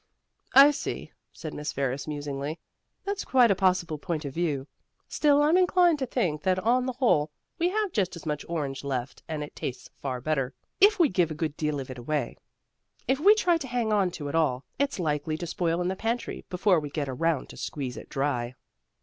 "I see," said Miss Ferris musingly. "That's quite a possible point of view. Still, I'm inclined to think that on the whole we have just as much orange left and it tastes far better, if we give a good deal of it away. If we try to hang on to it all, it's likely to spoil in the pantry before we get around to squeeze it dry."